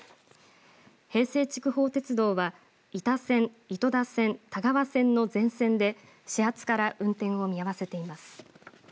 平成筑豊鉄道は伊田線、糸田線、田川線の全線で始発から運転を見合わせています。